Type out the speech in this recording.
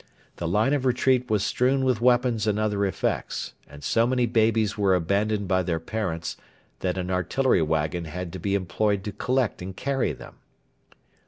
The line of retreat was strewn with weapons and other effects, and so many babies were abandoned by their parents that an artillery waggon had to be employed to collect and carry them.